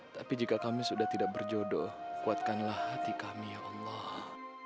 tapi jika kami sudah tidak berjodoh kuatkanlah hati kami ya allah